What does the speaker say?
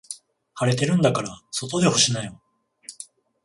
晴れてるんだから外で干しなよ。